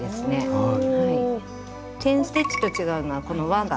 はい。